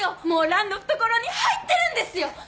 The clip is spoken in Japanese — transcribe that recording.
もうランの懐に入ってるんですよ！